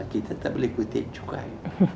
kita tidak boleh kutip cukai